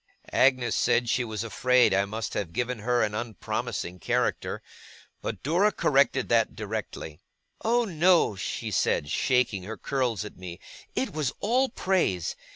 Agnes said she was afraid I must have given her an unpromising character; but Dora corrected that directly. 'Oh no!' she said, shaking her curls at me; 'it was all praise.